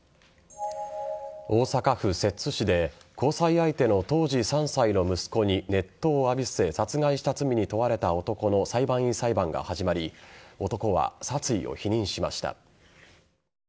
大阪府摂津市で交際相手の当時３歳の息子に熱湯を浴びせ殺害した罪に問われた男の裁判員裁判が始まり男は殺意を否認しました。